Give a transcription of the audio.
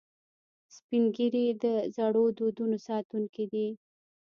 سپین ږیری د زړو دودونو ساتونکي دي